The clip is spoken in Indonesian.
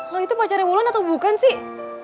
lo itu pacarnya bulan atau bukan sih